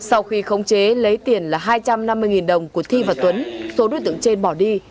sau khi khống chế lấy tiền là hai trăm năm mươi đồng của thi và tuấn số đối tượng trên bỏ đi